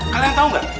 kalian tau gak